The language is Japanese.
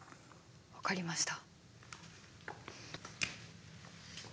分かりました。